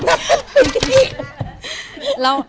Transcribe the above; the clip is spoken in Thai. นั่งบอกแฮปปี้